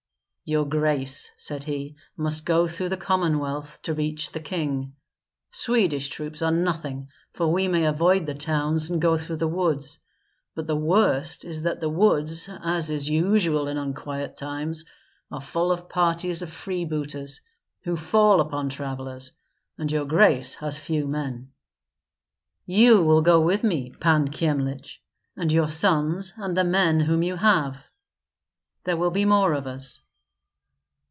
"Your grace," said he, "must go through the whole Commonwealth to reach the king. Swedish troops are nothing, for we may avoid the towns and go through the woods; but the worst is that the woods, as is usual in unquiet times, are full of parties of freebooters, who fall upon travellers; and your grace has few men." "You will go with me, Pan Kyemlich, and your sons and the men whom you have; there will be more of us."